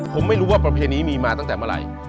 ผมไม่รู้ว่าประเพณีมีมาตั้งแต่เมื่อไหร่